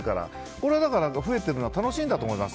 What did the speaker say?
これは、増えているのは楽しいんだと思います。